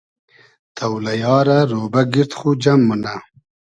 تۆلئیا رۂ رۉبۂ گیرد خو جئم مونۂ